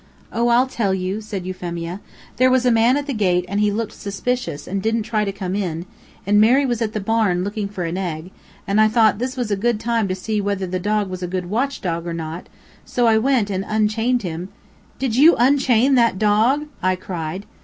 "Oh, I'll tell you," said Euphemia. "There was a man at the gate and he looked suspicious and didn't try to come in, and Mary was at the barn looking for an egg, and I thought this was a good time to see whether the dog was a good watch dog or not, so I went and unchained him " "Did you unchain that dog?" I cried.